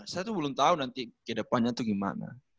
saya tuh belum tau nanti kedepannya tuh gimana